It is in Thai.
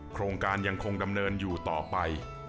โครงการยังคงดำเนินอยู่ต่อไป